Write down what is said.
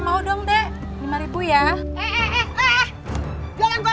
aku juga gak tahu gimana rasanya punya papa